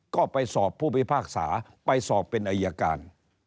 ก็ไปสอบผู้พิพากษาไปสอบเป็นอายการ